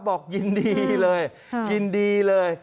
บอกยินดีเลยยินดีเลย